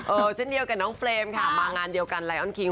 เช่นเดียวกับน้องเปรมค่ะมางานเดียวกันไลออนคิง